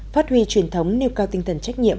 phát huy truyền thống nêu cao tinh thần trách nhiệm